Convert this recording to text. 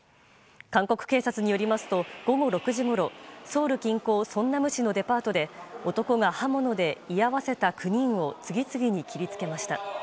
韓国警察によりますと午後６時ごろソウル近郊ソンナム市のデパートで男が刃物で居合わせた９人を次々に切りつけました。